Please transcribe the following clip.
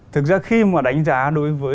thực ra khi mà đánh giá đối với